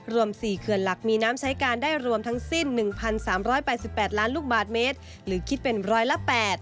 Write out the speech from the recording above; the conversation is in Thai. รวม๔เขื่อนหลักมีน้ำใช้การได้รวมทั้งสิ้น๑๓๘๘ล้านลูกบาทเมตรหรือคิดเป็นร้อยละ๘